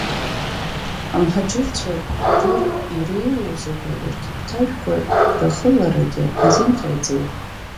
Амҳаџьырцәа рыр иреиуоу зегьы рқьаԥҭажәқәа рахыларагьы азин ҟаиҵеит.